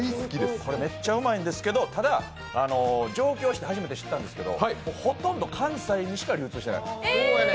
これ、めっちゃうまいんですけど、ただ上京して初めて知ったんですけど、ほとんど関西にしか流通してない。